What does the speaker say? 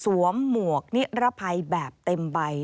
หมวกนิรภัยแบบเต็มใบ